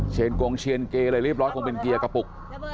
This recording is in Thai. เชียนกรงเชียนเกย์อะไรรีบรอดเป็นเกียร์กระปุก